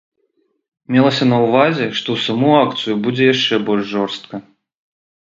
Мелася на ўвазе, што ў саму акцыю будзе яшчэ больш жорстка.